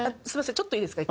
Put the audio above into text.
ちょっといいですか？